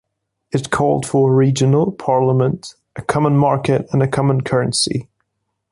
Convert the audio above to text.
It called for a regional parliament, a common market and a common currency.